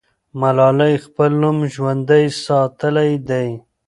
ملالۍ خپل نوم ژوندی ساتلی دی.